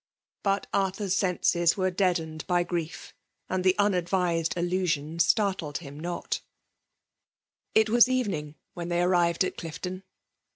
But Arthur's senses were dead ened by grief; and the unadvised aHusion startled him not It was evening when they arrived at Clifton.